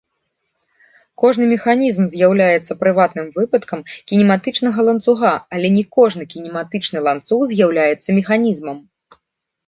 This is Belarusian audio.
Кожны механізм з'яўляецца прыватным выпадкам кінематычнага ланцуга, але не кожны кінематычны ланцуг з'яўляецца механізмам.